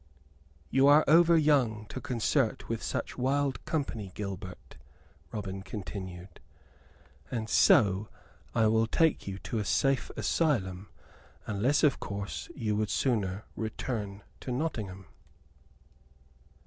"You are over young to consort with such wild company, Gilbert," Robin continued; "and so I will take you to a safe asylum, unless, of course, you would sooner return into Nottingham."